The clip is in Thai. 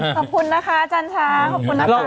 ขอบคุณนะคะอาจารย์ช้างขอบคุณนะคะ